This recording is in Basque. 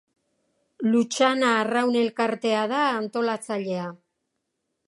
Lutxana Arraun Elkartea da antolatzailea.